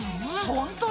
ほんとだ！